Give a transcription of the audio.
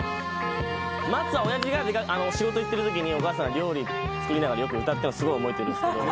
『待つわ』親父が仕事行ってる時にお母さん料理作りながらよく歌ってんのすごい覚えてるんですけど。